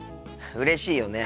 うれしいよね。